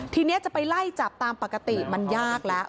ทีนี้จะไปไล่จับตามปกติมันยากแล้ว